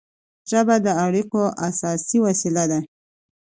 ژبه د اړیکو اساسي وسیله ده.